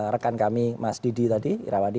rekan kami mas didi tadi irawadi